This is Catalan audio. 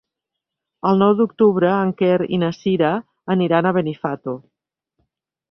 El nou d'octubre en Quer i na Sira aniran a Benifato.